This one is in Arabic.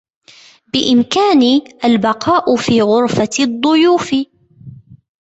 بإمكاني البقاء في غرفة الضيوف.